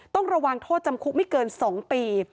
ต้องระวังโทษจำคุกไม่เกิน๒ปี